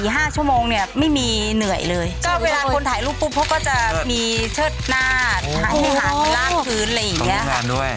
เหนื่อยเลยก็เวลาคนถ่ายรูปปุ๊บเขาก็จะมีเชิดหน้าหลายขาดลากพื้นอะไรอย่างเงี้ย